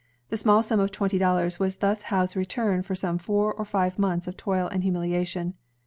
The small sum of twenty dollars was thus Howe's return for some four or five months of toil and humiliation.